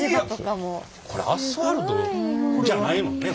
これアスファルトじゃないもんね。